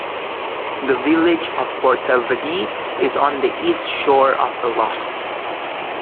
The village of Portavadie is on the east shore of the loch.